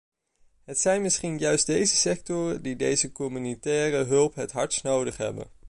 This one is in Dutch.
Het zijn misschien juist deze sectoren die deze communautaire hulp het hardst nodig hebben.